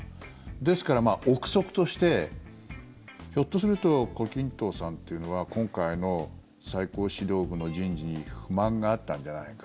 ですから臆測としてひょっとすると胡錦涛さんというのは今回の最高指導部の人事に不満があったんじゃないか。